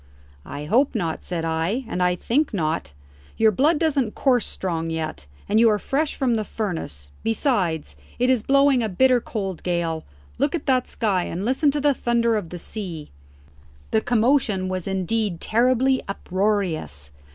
"I hope not," said I; "and I think not. Your blood doesn't course strong yet, and you are fresh from the furnace. Besides, it is blowing a bitter cold gale. Look at that sky and listen to the thunder of the sea!" The commotion was indeed terribly uproarious.